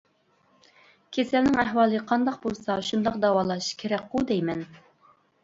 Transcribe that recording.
كېسەلنىڭ ئەھۋالى قانداق بولسا شۇنداق داۋالاش كېرەكقۇ دەيمەن.